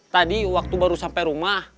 tadi waktu baru sampai rumah